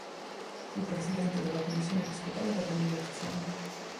Fu presidente della Commissione episcopale per le migrazioni.